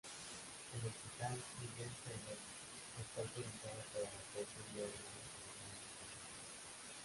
El Hospital Miguel Servet está autorizado para la extracción de órganos de donante cadáver.